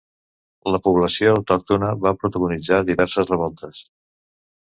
La població autòctona va protagonitzar diverses revoltes.